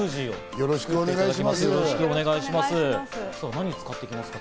よろしくお願いします。